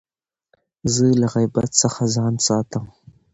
زه له غیبت څخه ځان ساتم.